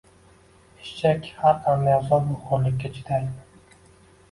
Eshak har qanday azobu xo’rlikka chidaydi.